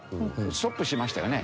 ストップしましたよね？